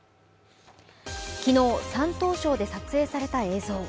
昨日、山東省で撮影された映像。